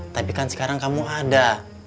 tapi kan sekarang kamu ada